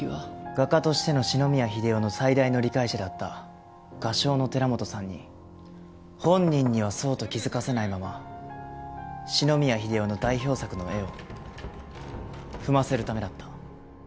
画家としての四ノ宮英夫の最大の理解者だった画商の寺本さんに本人にはそうと気づかせないまま四ノ宮英夫の代表作の絵を踏ませるためだった。